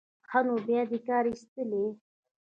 ښه نو بیا دې کار ایستلی.